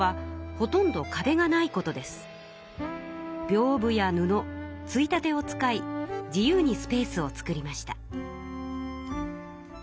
びょうぶや布ついたてを使い自由にスペースを作りました。